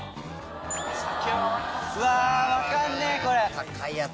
うわ分かんねえこれ。